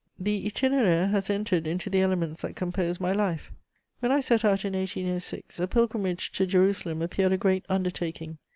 The Itinéraire has entered into the elements that compose my life. When I set out in 1806, a pilgrimage to Jerusalem appeared a great undertaking.